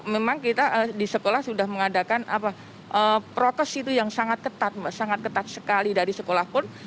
memang kita di sekolah sudah mengadakan protes itu yang sangat ketat mbak sangat ketat sekali dari sekolah pun